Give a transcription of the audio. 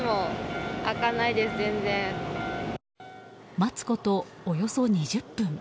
待つこと、およそ２０分。